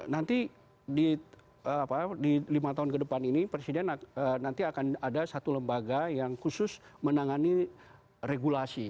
nanti di lima tahun ke depan ini presiden nanti akan ada satu lembaga yang khusus menangani regulasi